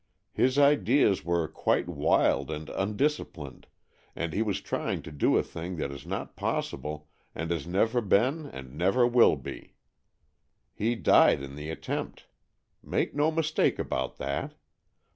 His ideas were quite wild and undisciplined, and he was trying to do a thing that is not possible and never has been and never will be. He died in the attempt. Make no mistake about that.